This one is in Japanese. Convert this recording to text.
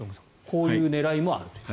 こういう狙いもあるという。